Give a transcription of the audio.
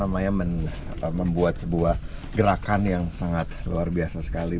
membuat sebuah gerakan yang sangat luar biasa sekali